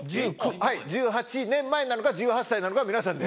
１８年前なのか１８歳なのかは皆さんで。